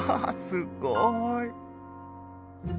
すごい！